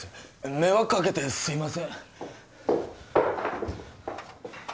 迷惑かけてすいません